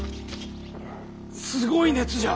すごい熱じゃ！